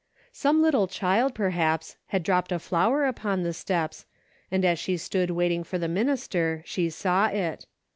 Some little child, perhaps, had dropped a flower upon the steps, and as she stood wait ing for the minister, she saw it.